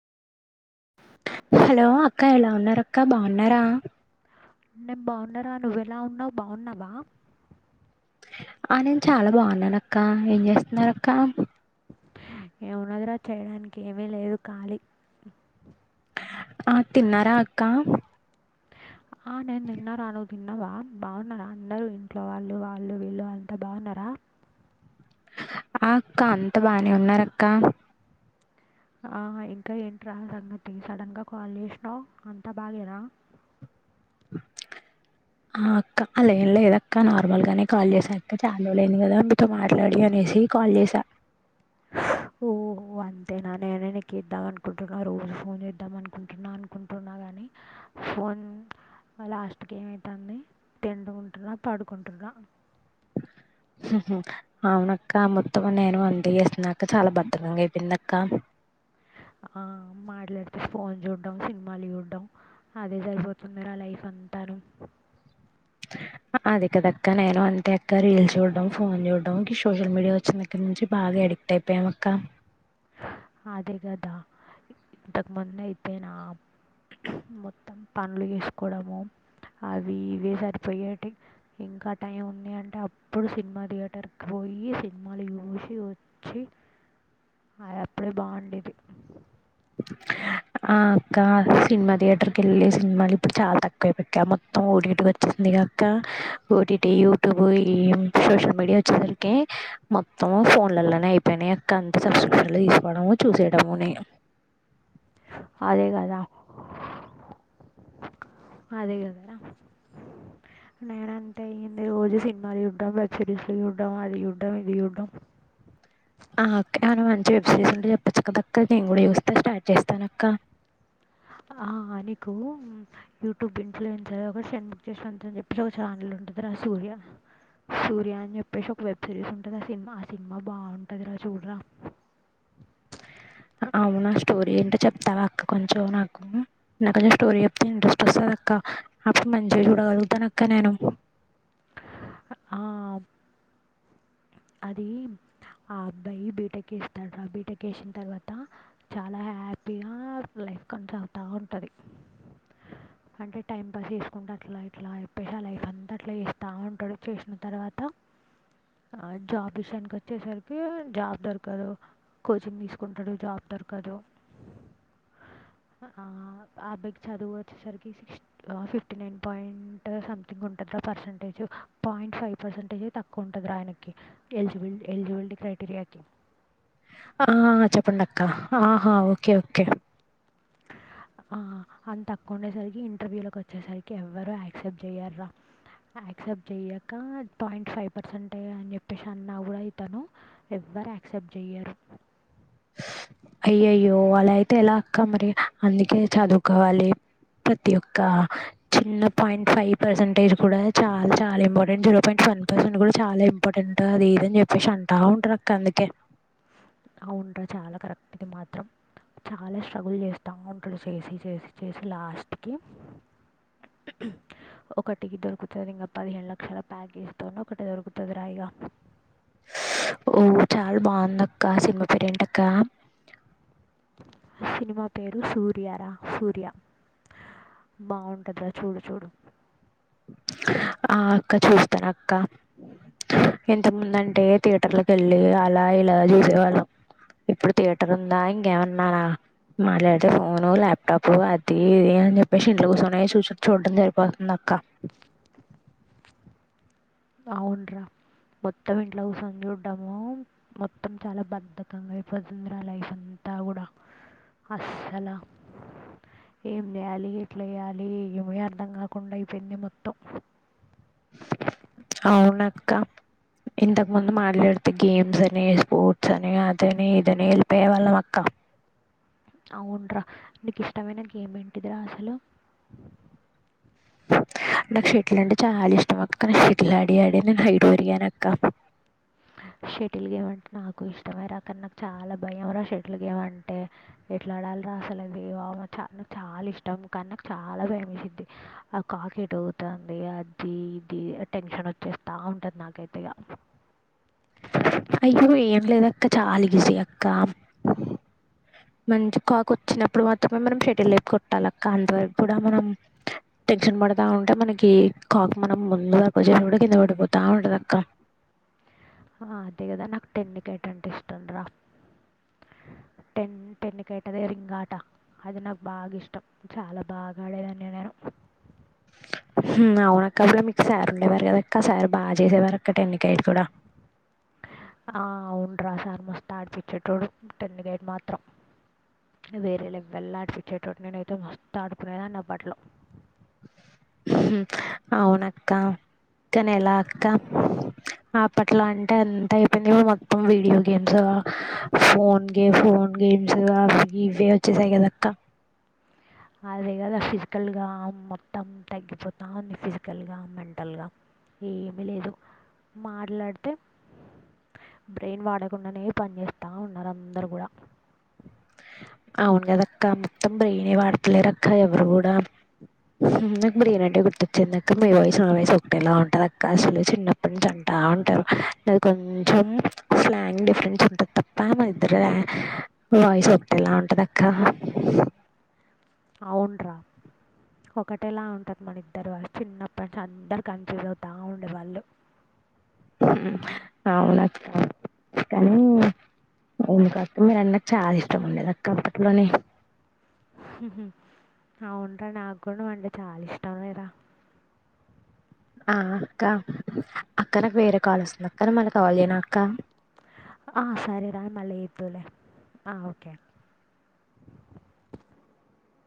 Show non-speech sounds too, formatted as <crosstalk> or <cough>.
Hello అక్క ఎలా ఉన్నారు అక్క బాగున్నారా నేను బాగున్నారా నువ్వ ఎలా ఉన్నావ్ బాగున్నావా ఆ నేను చాలా బాగున్నాన అక్క ఏం చేస్తున్నారు అక్క ఏమున్నదిరా చేయడానికి ఏమీ లేదు ఖాళీ ఆ తిన్నారా అక్క ఆ నేను తిన్నార నువ్వు తిన్నావా బాగున్నారా అందరు ఇంట్లో వాళ్ళు వాళ్ళు వీళ్ళు అంత బాగున్నారా ఆ అక్క అంత బానే ఉన్నారు అక్క ఆ ఇంకా ఏంట్రా సంగతి సడన్ గా కాల్ చేసినావు అంతా బాగేనా ఆ అక్క అలా ఏం లేదు అక్క నార్మల్గానే కాల్ చేసా అక్క చాలా రోజులు అయ్యింది కదా మీతో మాట్లాడి అనేసి కాల్ చేసా ఓ ఓహ అంతేనా నేనే నీకు చేద్దాం అనుకుంటున్నా రోజు ఫోన్ చేద్దాం అనుకుంటున్నాను అనుకుంటున్నా కానీ ఫోన్ లాస్ట్కి ఏమయ్యితంది తిండుకుంటున్నా పడుకుంటున్నా అవునక్క మొత్తం నేను అంతే చేస్తున్నా అక్క చాలా భద్ధకం అయిపోయిందిక్క మాట్లాడితే ఫోన్ చూడడం సినిమాలు చూడడం అదే సరిపోతుంది రా లైఫ్ అంతను అదే కదక్క నేను అంతే అక్క రీల్స్ చూడడం ఫోన్ చూడడం గీ సోషల్ మీడియా వచ్చిన దగ్గర నుంచి బాగా ఎడిక్ట్ అయిపోయాను అక్క. అదే కదా ఇంతకుముందు అయితే నా మొత్తం పనులు చేసుకోవడము అవి ఇవి సరిపోయేటి ఇంకా టైం ఉంది అంటే అప్పుడు సినిమా థియేటర్ కి పోయి సినిమాలు చూసి వచ్చి అప్పుడే బాగుండేది ఆ అక్క సినిమా థియేటర్ కి వెళ్ళి సినిమాలు ఇప్పుడు చాలా తక్కువ అయిపోక్కా మొత్తం ఓటిటికి వచ్చేసింది అక్క ఓటిటి యూట్యూబ్ ఈ సోషల్ మీడియా వచ్చేసరికి మొత్తం ఫోన్లలోనే అయిపోయినాయి అక్క అంత సబ్స్క్రిప్షన్లు తీసుకోవడము చూసేయడముని అదే కదా అదే కదా రా నేన అంతే అయ్యింది రోజు సినిమాలు చూడం వెబ్ సిరీస్లు చూడడం అది చూడ్డం ఇది చూడ్డం ఆ అక్క మంచి వెబ్సిరీస్ ఉంటే చెప్పచ్చు కదక్క నేను కూడా చూస్తే స్టార్ట్ చేస్తాను అక్క ఆ నీకు యూట్యూబ్ ఇంట్లో వె సర్వా సెండ్ <inaudible> బుక్ చేసినని చెప్పేసి ఒక ఛానల్ ఉంటుందిరా సూర్య సూర్య అని చెప్పేసి ఒక వెబ్ సిరీస్ ఉంటుంది ఆ సినిమా ఆ సినిమా బాగుంటుందిరా చూడరా అవునా స్టోరీ అంటే చెప్తావా అక్క కొంచెం నాకు నాకు ఎవరన్నాకొంచెం స్టోరీ చెప్తే ఇంట్రెస్ట్ వస్తంది అక్క అప్పుడు మంచిగా చూడగలుగుతాను అక్క నేను ఆ ఆబ్ అది ఆ అబ్బాయి బీటెక్ చెస్తాడు బీటెక్ చేసిన తర్వాత చాలా హ్యాపీగా లైఫ్ కొనసాగుతూ ఉంటుంది అంటే టైం పాస్ చేసుకుంటా అట్లా ఇట్లా చెప్పేసి ఆ లైఫ్ అంతా అట్లా చేస్తూ ఉంటాడు చేసిన తర్వాత జాబ్ విషయానికి వచ్చేసరికి జాబ్ దొరకదు కోచింగ్ తీసుకుంటాడు జాబ్ దొరకదు ఆ అబ్బాయికి చదువు వచ్చేసరికి six fifty nine point something ఉంటుందరా పర్సంటేజ్ పాయింట్ ఫైవ్ పర్సంటేజ్ తక్కువ ఉంటుంది రా ఆయనకి ఒకే ఎలిజిబుల్ క్రైటీరియా కి ఆ చెప్పండి అక్క ఆహా ఓకే ఓకే ఈ అంత తక్కువ ఉండేసరికి ఇంటర్వ్యూలోకి వచ్చేసరికి ఎవ్వరు యాక్సెప్ట్ చేయ్యరు రా యాక్సెప్ట్ చేయక పాయింట్ ఫైవ్ పర్సెంట్ అని చెప్పేసి అన్నాడు రా ఇతను ఎవ్వరు యాక్సెప్ట్ చెయ్యరు అయ్యో అయ్యో అలా అయితే ఎలా అక్క మరి అందుకే చదువుకోవాలి ప్రతి ఒక్క చిన్న పాయింట్ ఫైవ్ పర్సెంటేజ్ కూడా చాలా చాలా important zero point one percent కూడా చాలా ఇంపార్టెంట్ అది ఇదని చెప్పేసి అంటా ఉంటారు అక్క అందుకే అవుంట్రా చాలా కరెక్ట్ ఇది మాత్రం చాలా స్ట్రగుల్ చేస్తా అవుంటడు చేసి చేసి చేసి లాస్ట్కికి ఒకటికి దొరుకుతుంది ఇంకా పదిహేను లక్షల ప్యాకేజీ తొని ఒకటి దొరుకుతుంది రాయిగా ఓ చాలా బాగుంద అక్క సినిమా పేరేంట అక్క సినిమా పేరు సూర్యార సూర్య బావుంటాది రా చూడు చూడు ఆ అక్క చూస్తాను అక్క ఇంతకు ముందు అంటే థియేటర్లకి వెళ్ళి అలా ఇలా చూసేవాళ్ళం ఇప్పుడు థియేటర్ ఉందా ఇంకేమన్నా మాట్లాడితే ఫోను ల్యాప్టాప్ అది ఇది అని చెప్పేసి ఇంట్లో కూర్చొనే చూసి చూడటడం సరిపోతుంది అక్క అవున్రా మొత్తం ఇంట్లో కూసొని చూడ్డము మొత్తం చాలా బద్ధకంగా అయిపొతుంది రా లైఫ్ అంతా కూడా అస్సల ఏం చేయాలి ఎట్లా చేయాలి ఏమీ అర్ధం కాకుండా అయిపోయింది మొత్తం అవున అక్క ఇంతకు ముందు మాట్లాడితే గేమ్స్ అని స్పోర్ట్స్ అని అదని ఇదని వెళ్ళిపోయే వాళ్ళం అక్క అవున్రా నీకు ఇష్టమైన గేమ్ ఏంటిది రా అసలు నాకు షెటిల్ అంటే చాలా ఇష్టం అక్క షటిల్ ఆడి ఆడి నేను హైట్ పెరిగాను అక్క షటిల్ గేమ్ అంటే నాకు ఇష్టమే రా కానీ నాకు చాలా భయం రా షటిల్ గేమ్ అంటే ఎట్లా ఆడాలి రా అసలు అది చాన చాన ఇష్టం కాని నాకు చాలా ఇష్టం కానీ నాకు చాలా భయం వేసిద్ది ఆ కాక్ ఎటుపోతాంది అది ఇది టెన్షన్ వచ్చేస్తా ఉంటుంది నాకైతేగా అయ్యో ఏం లేదు అక్క చాలా ఈజీ అక్క మంచి కాక్ వచ్చినప్పుడు మాత్రమే మనం షెటిల్ ఎత్తి కొట్టాలి అక్క అంతవరకు కూడా మనం టెన్షన్ పడతా ఉంటే మనకి కాక్ మనం ముందు వరకు వచ్చే కూడా కింద పడిపోతా ఉంటది అక్క అదే కదా నాకు టెన్నికైట అంటే ఇష్టం రా టెన్ టెన్నికైట్ అదే రింగ్ ఆట అది నాకు బాగా ఇష్టం చాలా బాగా ఆడేదాన్ని నేను అవున అక్క మీకు సారు ఉండేవారు కదా అక్క సారు బాగా చేసేవారు అక్కడ టెన్నికైడు కూడా ఆ అవును్రా సార్ మస్తు ఆడిపచ్చేటోడు టెన్ గైట్ మాత్రం వేరేలా వెళ్ళ ఆడిపించేటోడు నేనైతే మస్తు ఆడుకునేదని దాన్ని అప్పట్లో అవునక్క కానీ ఎలా అక్క అప్పట్లో అంటే అంత అయిపోయింది మొత్తం వీడియో గేమ్స్ ఫోన్ గే ఫోన్ గేమ్స్ అవి ఇవి వచ్చేసాయి కదాక్క అదే కదా ఫిజికల్గా మొత్తం తగ్గిపోత ఉంది ఫిజికల్గా మెంటల్గా ఏమీ లేదు మాట్లాడితే బ్రెయిన్ వాడకుండానే పని చేేస్తా ఉన్నారు అందరు కూడా అవును కద అక్క మొత్తం బ్రెయిన్ వాడతలేరు అక్క ఎవరు కూడా నాకు బ్రయనీ అంటే గుర్తొచ్చేంది అక్క నీ వాయిస్ నా వాయిస్ ఒకటేలా ఉంటది అక్క అసలు చిన్నప్పటి నుంచి అంటా ఉంటారు నాది కొంచెం స్లాంగ్ డిఫరెన్స్ ఉంటది తప్ప మన ఇద్దర వాయిస్ ఒకేటలా ఉంటది అక్క అవున్రా ఒకటేలా ఉంటాది మన ఇద్దరు వా యిస్ చిన్నప్పటి అందరు కన్ఫ్యూజ్ అవుతా ఉండేవాళ్ళు అవునక్క కానీ ఎందుకొ అక్క మరి అన్నకు చాలా ఇష్టం ఉండేది అక్కప్పట్లోనే అవునురా నాకు కూడా నువ్వు అంటే చాలా ఇష్టంరా ఆ అక్క అక్క నాకు వేరే కాల్ వస్తుంది అక్క నేమళ్ళ కాల్ చేయనా అక్క ఆ సరే రా మళ్ళ ఎద్దువులే ఆ ఓకే